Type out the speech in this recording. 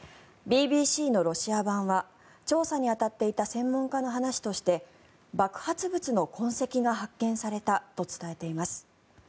ＢＢＣのロシア版は調査に当たっていた専門家の話として爆発物の痕跡が発見されたと伝えています。